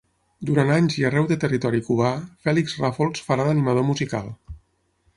Durant anys i arreu de territori cubà, Fèlix Ràfols farà d'animador musical.